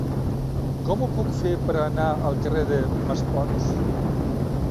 Com ho puc fer per anar al carrer de Maspons?